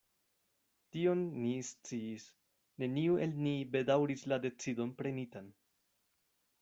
Tion ni sciis: neniu el ni bedaŭris la decidon prenitan.